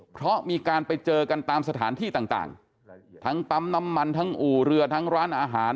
เพราะมีการไปเจอกันตามสถานที่ต่างทั้งปั๊มน้ำมันทั้งอู่เรือทั้งร้านอาหาร